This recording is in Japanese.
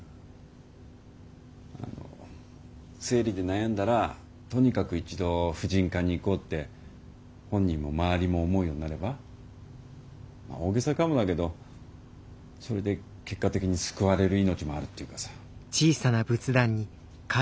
あの生理で悩んだらとにかく一度婦人科に行こうって本人も周りも思うようになれば大げさかもだけどそれで結果的に救われる命もあるっていうかさ。